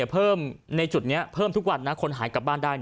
เพิ่มในจุดนี้เพิ่มทุกวันคนหายกลับบ้านได้